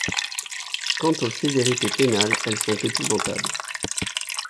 Quant aux sévérités pénales, elles sont épouvantables.